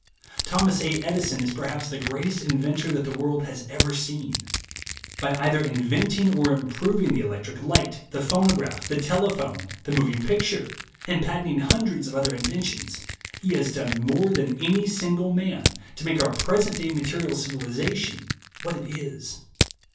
Thomas A. Edison is perhaps the greatest inventor that the world has ever seen. By either inventing or improving the electric light, the phonograph, the telephone, the moving picture, and patenting hun dreds of other inventions, he has done more than any single man to make our present day material civilization what it is.